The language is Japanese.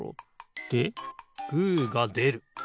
でグーがでる。